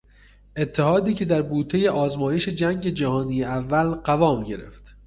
اتحادی که در بوتهی آزمایش جنگ جهانی اول قوام گرفت